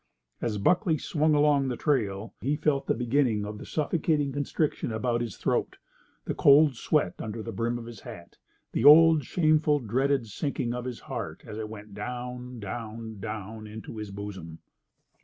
As Buckley swung along upon the trail he felt the beginning of the suffocating constriction about his throat, the cold sweat under the brim of his hat, the old, shameful, dreaded sinking of his heart as it went down, down, down in his bosom.